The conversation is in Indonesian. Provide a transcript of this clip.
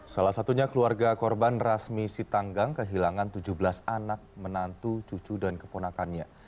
salah satunya keluarga korban rasmi sitanggang kehilangan tujuh belas anak menantu cucu dan keponakannya